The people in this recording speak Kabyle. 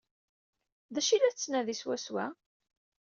D acu ay la tettnadi swawsa?